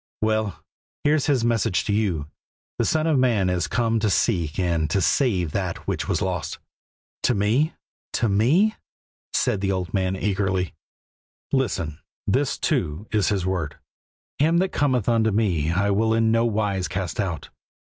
"Well, here's His message to you: 'The Son of Man is come to seek and to save that which was lost.'" "To me? To me?" said the old man eagerly. "Listen; this, too, is His word: 'Him that cometh unto Me I will in no wise cast out.'